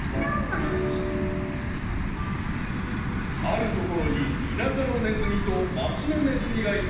［ある所に田舎のネズミと町のネズミがいました］